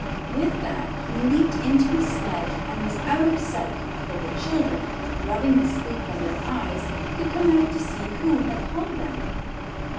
With that he leaped into his sledge and was out of sight before the children, rubbing the sleep from their eyes, could come out to see who had called them.